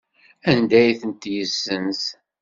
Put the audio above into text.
Anda ay ten-yessenz?